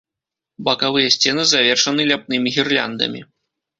Бакавыя сцены завершаны ляпнымі гірляндамі.